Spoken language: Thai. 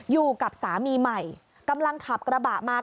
อยู่กับสามีใหม่กำลังขับกระบะมา